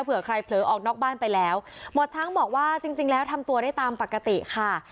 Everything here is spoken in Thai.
เผื่อใครเผลอออกนอกบ้านไปแล้วหมอช้างบอกว่าจริงจริงแล้วทำตัวได้ตามปกติค่ะ